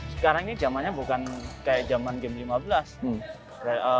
sekarang ini zamannya bukan kayak zaman game lima belas